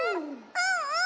うんうん。